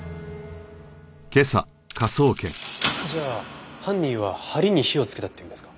じゃあ犯人は梁に火をつけたっていうんですか？